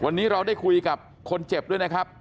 วันนี้เราได้คุยกับคนเจ็บด้วยนะครับ